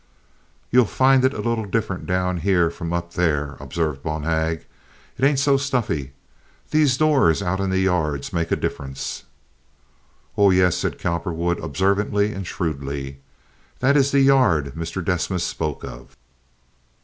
"You'll find it a little different down here from up there," observed Bonhag. "It ain't so stuffy. These doors out in the yards make a difference." "Oh, yes," said Cowperwood, observantly and shrewdly, "that is the yard Mr. Desmas spoke of."